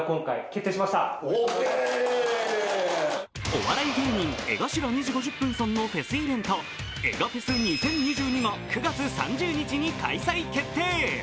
お笑い芸人、江頭２：５０さんのフェスイベント、エガフェス２０２２が９月３０日に開催決定。